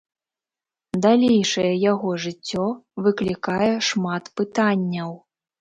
Далейшае яго жыццё выклікае шмат пытанняў.